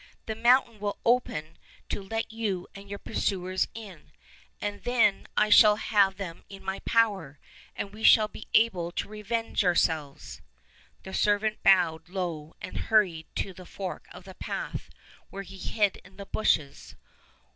The mountain will open to let you and your pursuers in, and then I shall have them in my power, and we shall be able to revenge ourselves." The servant bowed low and hurried to the fork of the path, where he hid in the bushes.